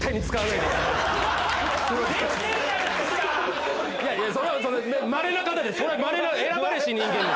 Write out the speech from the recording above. いやいやそれはまれな方です！